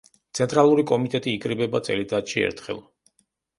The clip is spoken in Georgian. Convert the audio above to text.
ცენტრალური კომიტეტი იკრიბება წელიწადში ერთხელ.